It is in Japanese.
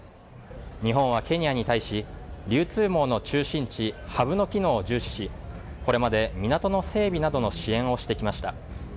日本はケニアに対し流通網の中心地ハブの機能を重視しこれまで港の整備などの支援をしてきました。